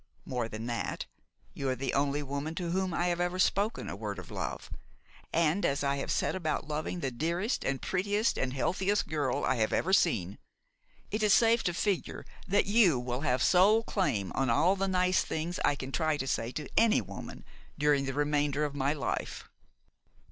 More than that, you are the only woman to whom I have ever spoken a word of love, and as I have set about loving the dearest and prettiest and healthiest girl I have ever seen, it is safe to figure that you will have sole claim on all the nice things I can try to say to any woman during the remainder of my life."